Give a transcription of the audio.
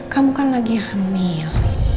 kamu kan lagi hamil